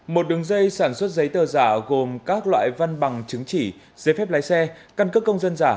một đường dây sản xuất giấy tờ giả gồm các loại văn bằng chứng chỉ giấy phép lái xe căn cấp công dân giả